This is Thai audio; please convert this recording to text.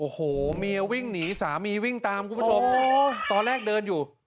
โอ้โหเมียวิ่งหนีสามีวิ่งตามคุณผู้ชมตอนแรกเดินอยู่